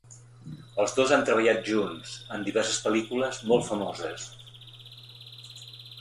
Els dos han treballat junts en diverses pel·lícules molt famoses.